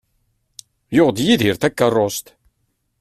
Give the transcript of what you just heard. Yuɣ-d Yidir takerrust.